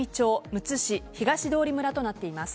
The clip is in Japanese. むつ市、東通村となっています。